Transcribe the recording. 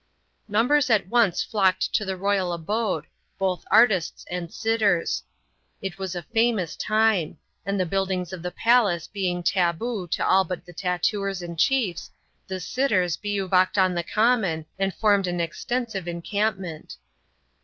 bers at once flocked to the royal abode, both artists and It was a famous time ; and the buildings of the palace taboo" to all but the tattooers and chiefs, the sitters bivou m the common, and formed an extensive encampment.